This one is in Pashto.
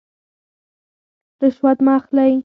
رشوت مه اخلئ